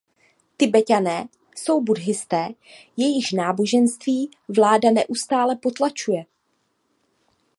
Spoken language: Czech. Tibeťané jsou buddhisté, jejichž náboženství vláda neustále potlačuje.